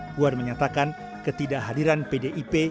puan menyatakan ketidakhadiran pdip